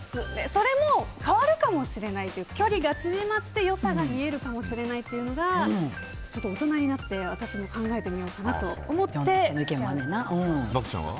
それも変わるかもしれないというか距離が縮まって良さが見えるかもしれないというのが大人になって私も考えてみようかなと思って漠ちゃんは？